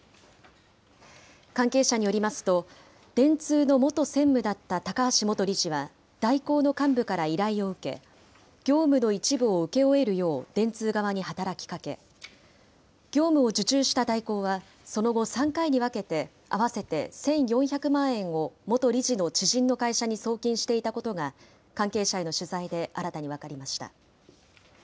関係者によりますと、電通の元専務だった高橋元理事は、大広の幹部から依頼を受け、業務の一部を請け負えるよう電通側に働きかけ、業務を受注した大広は、その後、３回に分けて、合わせて１４００万円を、元理事の知人の会社に送金していたことが関係者への取材で新たに分かりました。